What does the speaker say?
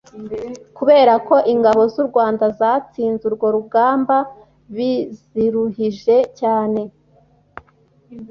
Kubera ko Ingabo z’u Rwanda zatsinze urwo rugamba biziruhije cyane